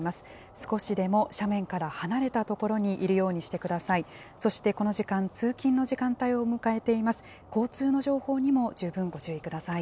少しでも斜面から離れた所にいるようにしてください。